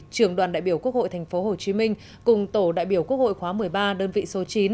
trường đoàn đại biểu quốc hội tp hcm cùng tổ đại biểu quốc hội khóa một mươi ba đơn vị số chín